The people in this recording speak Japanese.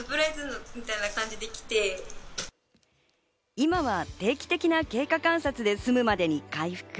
今は定期的な経過観察で済むまでに回復。